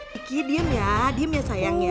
kiki diem ya diem ya sayangnya